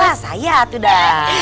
ya rasanya tuh dah